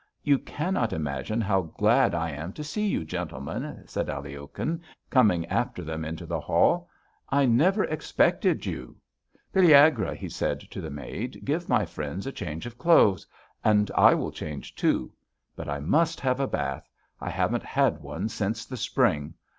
"You cannot imagine how glad I am to see you, gentlemen," said Aliokhin, coming after them into the hall. "I never expected you. Pelagueya," he said to the maid, "give my friends a change of clothes. And I will change, too. But I must have a bath. I haven't had one since the spring.